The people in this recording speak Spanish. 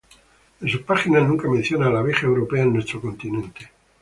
En sus páginas nunca menciona la abeja europea en nuestro continente.